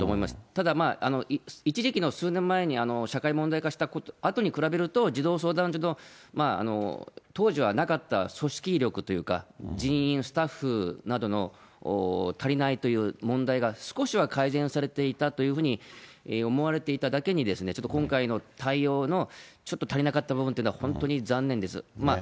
ただ、一時期の数年前に社会問題化したあとに比べると、児童相談所の、当時はなかった組織力というか、人員、スタッフなどの足りないという問題が少しは改善されていたというふうに思われていただけに、ちょっと今回の対応の、ちょっと足りなかった部分というのは本当に残念です。